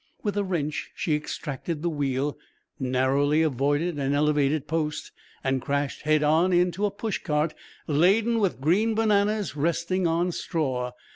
With a wrench she extracted the wheel, narrowly avoided an elevated post and crashed head on into a push cart, laden with green bananas resting on straw.